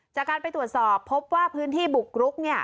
จากการไปตรวจสอบพบว่าพื้นที่บุกรุก